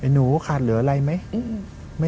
หนูขาดเหลืออะไรไหม